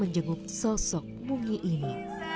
eliza anak cantik dan soleha